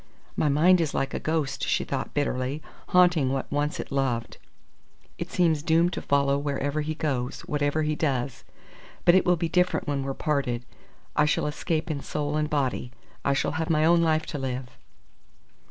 "My mind is like a ghost," she thought, bitterly, "haunting what once it loved. It seems doomed to follow wherever he goes, whatever he does. But it will be different when we're parted. I shall escape in soul and body. I shall have my own life to live."